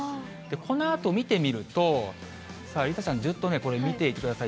このあと見てみると、梨紗ちゃん、ずっと見ていてください。